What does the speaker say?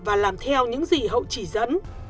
và làm theo những gì hậu chỉ dẫn